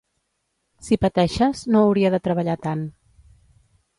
Si pateixes no hauria de treballar tant.